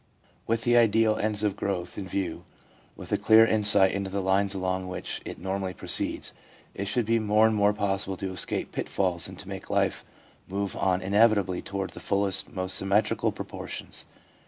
With the ideal ends of growth in view, and with a clear insight into the lines along which it normally proceeds, it should be more and more possible to escape pitfalls, and to make life move on inevitably toward the fullest, most symmetrical pro portions.